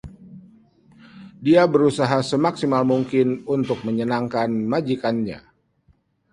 Dia berusaha semaksimal mungkin untuk menyenangkan majikannya.